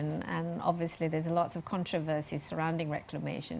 dan jelas ada banyak kontroversi mengenai reklamasi